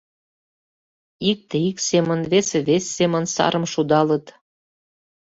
Икте ик семын, весе вес семын сарым шудалыт.